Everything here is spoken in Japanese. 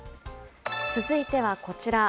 続いてはこちら。